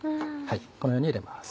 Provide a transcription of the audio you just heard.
このように入れます。